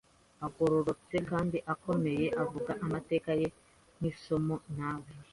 Umugenzuzi yahagurutse agororotse kandi akomeye avuga amateka ye nk'isomo; nawe